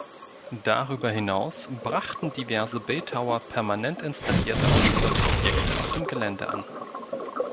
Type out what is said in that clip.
Darüber hinaus brachten diverse Bildhauer permanent installierte Ausstellungsobjekte auf dem Gelände an.